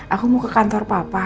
aku mau ke kantor papa